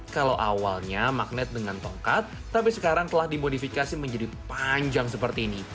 kalau awalnya magnet dengan tongkat tapi sekarang telah dimodifikasi menjadi panjang seperti ini